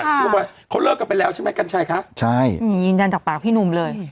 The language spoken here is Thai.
เขาบอกว่าเขาเลิกกันไปแล้วใช่ไหมกัญชัยคะใช่อืมยืนยันจากปากพี่หนุ่มเลย